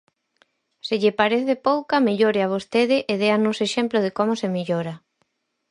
Se lle parece pouca, mellórea vostede e déanos exemplo de como se mellora.